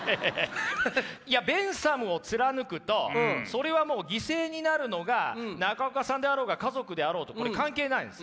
いやベンサムを貫くとそれはもう犠牲になるのが中岡さんであろうが家族であろうとこれ関係ないんです。